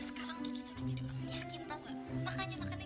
sampai jumpa di video selanjutnya